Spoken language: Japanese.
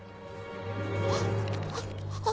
あっ！